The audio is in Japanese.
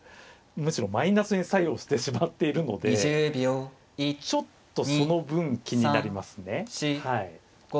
むしろマイナスに作用してしまっているのでちょっとその分気になりますね。